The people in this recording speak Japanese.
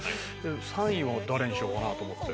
３位は誰にしようかなと思って。